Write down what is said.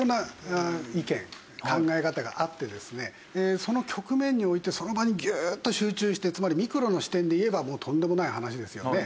その局面においてその場にギューッと集中してつまりミクロの視点で言えばとんでもない話ですよね。